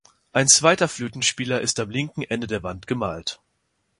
Ein zweiter Flötenspieler ist am linken Ende der Wand gemalt.